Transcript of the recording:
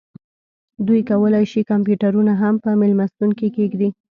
دوی کولی شي کمپیوټرونه هم په میلمستون کې کیږدي